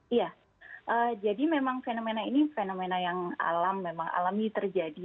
iya jadi memang fenomena ini fenomena yang alami terjadi